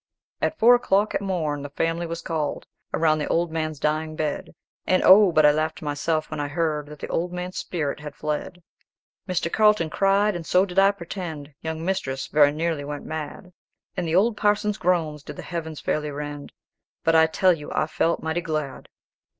"At four o'clock at morn the family was called Around the old man's dying bed; And oh! but I laughed to myself when I heard That the old man's spirit had fled. Mr. Carlton cried, and so did I pretend; Young mistress very nearly went mad; And the old parson's groans did the heavens fairly rend; But I tell you I felt mighty glad.